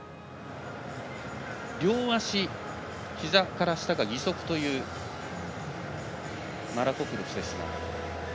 両足、ひざから下が義足というマラコプロス。